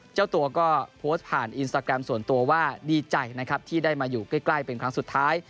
เจ้าตัวก็โพสต์ผ่านอินสตาแกรมส่วนตัวว่าดีใจนะครับที่ได้มาอยู่ใกล้เป็นครั้งสุดท้าย